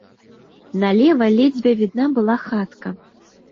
Налева ледзьве відна была хатка.